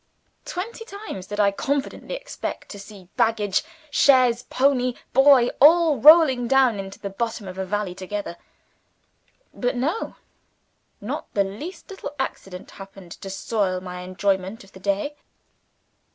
Twenty times did I confidently expect to see baggage, chaise, pony, boy, all rolling down into the bottom of a valley together. But no! Not the least little accident happened to spoil my enjoyment of the day.